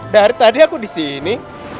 dari tadi aku disini